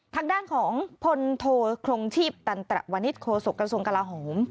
ทางด้านของพลโทครงชีพตันตระวันนิษฐ์โครสกรสงค์กระลาฮม